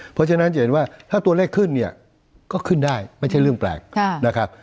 เพราะฉะนั้นจะเห็นว่าถ้าตัวเลขขึ้นเนี่ยก็ขึ้นได้ไม่ใช่เรื่องแปลกนะครับ